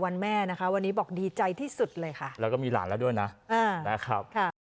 ก็ไม่คิดแบบบันเหมือนกันเพราะว่าจะได้เจอแม่ในวันนี้ครับ